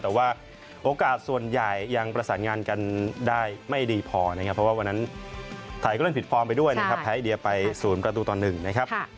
แต่ว่าโอกาสส่วนใหญ่ยังประสานงานกันได้ไม่ดีพอนะครับเพราะว่าวันนั้นไทยก็เล่นผิดฟอร์มไปด้วยนะครับแพ้อินเดียไป๐ประตูต่อ๑นะครับ